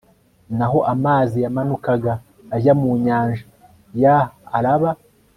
naho amazi yamanukaga ajya mu nyanja ya araba